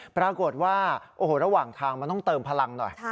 ปรากฏว่าโอ้โหระหว่างทางมันต้องเติมพลังหน่อย